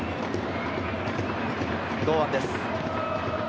堂安です。